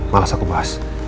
malas aku bahas